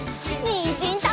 にんじんたべるよ！